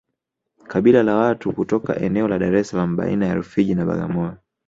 kabila la watu kutoka eneo la Dar es Salaam baina ya Rufiji na Bagamoyo